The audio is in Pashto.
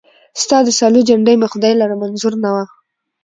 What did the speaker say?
ستا د سالو جنډۍ مي خدای لره منظوره نه وه